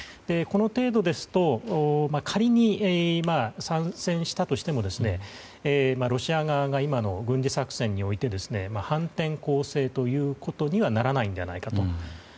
この程度ですと仮に参戦したとしてもロシア側が今の軍事作戦において反転攻勢ということにはならないのではないかと。